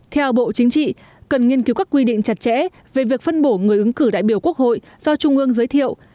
theo bộ chính trị cần nghiên cứu các quy định chặt chẽ về việc phân bổ người ứng cử đại biểu quốc hội do trung ương giới thiệu